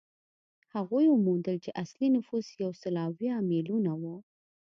هغوی وموندل چې اصلي نفوس یو سل یو اویا میلیونه وو.